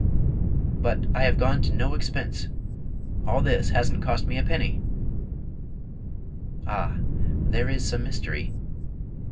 "But I have gone to no expense. All this hasn't cost me a penny!" "Ah, there is some mystery!